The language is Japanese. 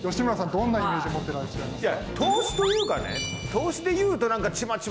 どんな印象持ってらっしゃいますか？